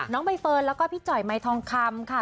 ใบเฟิร์นแล้วก็พี่จ่อยไมทองคำค่ะ